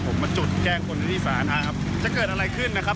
ผมมาจุดแจ้งคนในที่สาธารณะครับจะเกิดอะไรขึ้นนะครับ